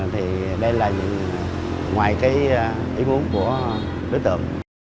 thì đây là ngoài cái ý muốn của đối tượng